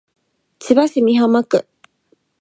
千葉市美浜区